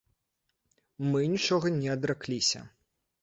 Мы нічога не адракліся.